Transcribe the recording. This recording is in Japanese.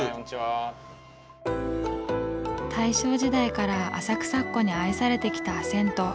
大正時代から浅草っ子に愛されてきた銭湯。